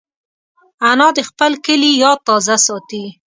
انا د خپل کلي یاد تازه ساتي